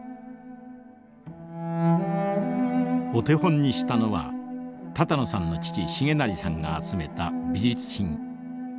お手本にしたのは多々納さんの父重成さんが集めた美術品。